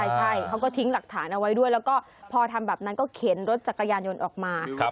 ใช่เขาก็ทิ้งหลักฐานเอาไว้ด้วยแล้วก็พอทำแบบนั้นก็เข็นรถจักรยานยนต์ออกมา